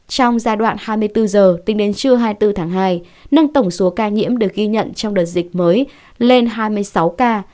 trong giai đoạn hai mươi bốn giờ tính đến trưa hai mươi bốn tháng hai nâng tổng số ca nhiễm được ghi nhận trong đợt dịch mới lên hai mươi sáu ca